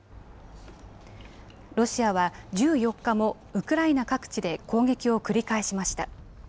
ロシアは１４日もウクライナ各地で攻撃を繰り返しました。